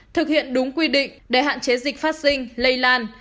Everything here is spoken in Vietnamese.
thực hiện đúng quy định để hạn chế dịch phát sinh lây lan